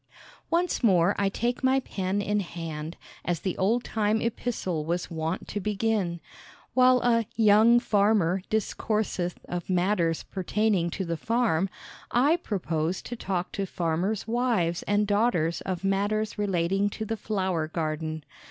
"Once more I take my pen in hand," as the old time epistle was wont to begin. While a "Young Farmer" discourseth of matters pertaining to the farm, I propose to talk to farmers' wives and daughters of matters relating to the flower garden.